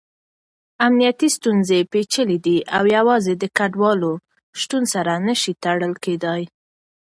امنیتي ستونزې پېچلې دي او يوازې د کډوالو شتون سره نه شي تړل کېدای.